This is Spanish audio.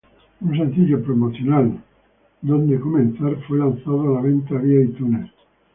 Un sencillo promocional,"Where To Begin" fue lanzado a la venta vía iTunes.